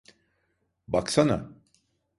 Baksana!